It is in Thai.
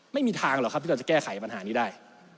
ไม่มีทางหรอกครับที่เราจะแก้ไขปัญหานี้ได้